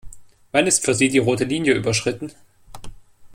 Wann ist für Sie die rote Linie überschritten?